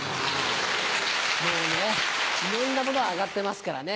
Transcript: もうねいろんなものが上がってますからね。